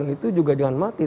itu juga jangan mati